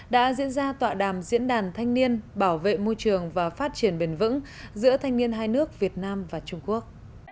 đã diễn ra tọa đàm diễn đàn thanh niên bảo vệ môi trường và phát triển bền vững giữa thanh niên hai nước việt nam và trung quốc